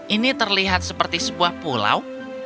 ini terlihat seperti sebuah pulau